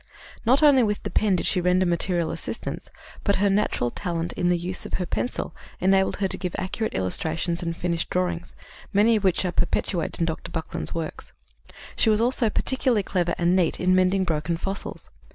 "Not only with the pen did she render material assistance, but her natural talent in the use of her pencil enabled her to give accurate illustrations and finished drawings, many of which are perpetuated in Dr. Buckland's works. She was also particularly clever and neat in mending broken fossils.